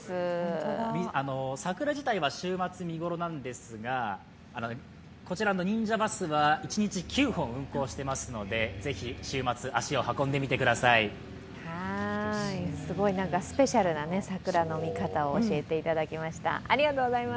桜自体は、週末、見頃なんですがこちらのＮＩＮＪＡＢＵＳは一日９本運行していますので、ぜひ週末、足を運んでみてくださいすごいスペシャルな桜の見方を教えていただきました。